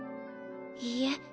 いいえ。